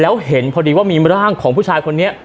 แล้วเห็นพอดีว่ามีร่างของผู้ชายคนนี้